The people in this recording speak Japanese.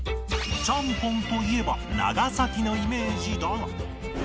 ちゃんぽんといえば長崎のイメージだが